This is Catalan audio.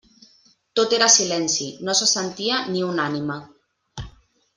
Tot era silenci, no se sentia ni una ànima.